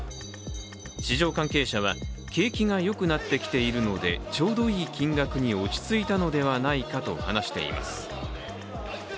市場関係者は、景気がよくなってきているのでちょうどいい金額に落ち着いたのではないかと話しています。